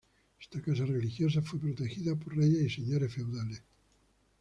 Esta casa religiosa fue protegida por reyes y señores feudales.